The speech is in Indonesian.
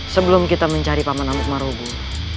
sebelum kita mencari paman amuk marobu